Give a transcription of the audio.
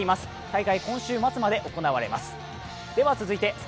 大会、今週末まで行われます。